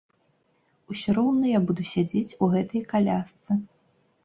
Усё роўна я буду сядзець у гэтай калясцы.